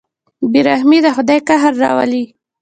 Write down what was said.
بېرحمي د خدای قهر راولي.